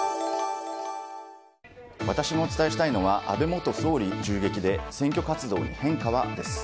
私がお伝えしたいのは安倍元総理銃撃で選挙活動に変化は？です。